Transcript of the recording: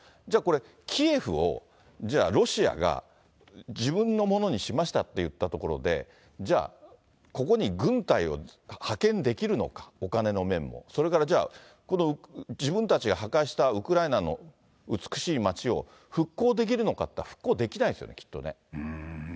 じゃあこれ、キエフを、じゃあロシアが自分のものにしましたっていったところで、じゃあ、ここに軍隊を派遣できるのか、お金の面も、それから、じゃあ自分たちが破壊したウクライナの美しい街を復興できるのかっていったら、復興できないですよね、きっとね。